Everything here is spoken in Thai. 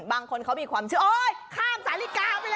บางคนเขามีความเชื่อโอ๊ยข้ามสาลิกาไปเลย